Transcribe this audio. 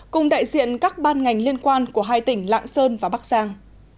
cùng đại diện các ban ngành liên quan của hai tỉnh lạng sơn và bắc giang